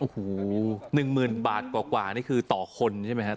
หนึ่งหมื่นบาทกว่านี่คือต่อคนใช่ไหมคะ